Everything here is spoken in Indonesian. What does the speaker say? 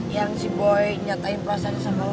yang si boy nyatain perasaannya sama lo